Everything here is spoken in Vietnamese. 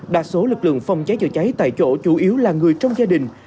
đa số lực lượng phòng cháy chữa cháy tại chỗ chủ yếu là người trong gia đình